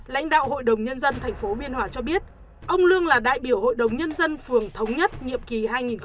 lãnh đạo hội đồng nhân dân tp biên hòa cho biết ông lương là đại biểu hội đồng nhân dân phường thống nhất nhiệm kỳ hai nghìn một mươi sáu hai nghìn hai mươi một